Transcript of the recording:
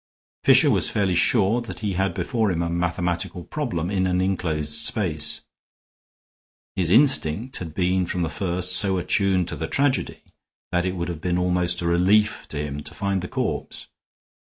Fisher was fairly sure that he had before him a mathematical problem in an inclosed space. His instinct had been from the first so attuned to the tragedy that it would have been almost a relief to him to find the corpse.